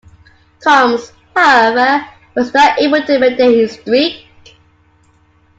Combs, however, was not able to maintain his streak.